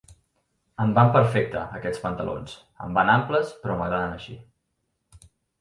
Em van perfecte, aquests pantalons. Em van amples, però m'agraden així.